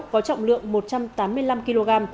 có trọng lượng một trăm tám mươi năm kg